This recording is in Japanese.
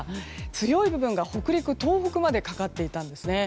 強い部分が北陸、東北までかかっていたんですね。